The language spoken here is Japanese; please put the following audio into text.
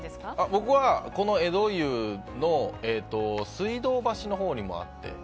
僕はこの江戸遊が水道橋のほうにもあって。